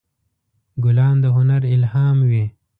ګلان د هنر الهام وي.